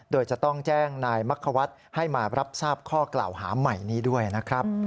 โดยจะต้องแจ้งนายมักควัฒน์ให้มารับทราบข้อกล่าวหาใหม่นี้ด้วยนะครับ